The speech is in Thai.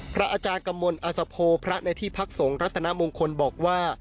พระอาจารย์กำลังอาสโภพระในที่พักษงรัฐนมงคลบอกว่า